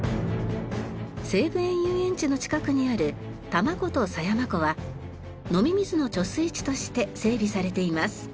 西武園ゆうえんちの近くにある多摩湖と狭山湖は飲み水の貯水池として整備されています。